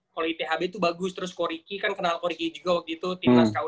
kalo ithb tuh bagus terus koriki kan kenal koriki juga waktu itu timnas ku enam belas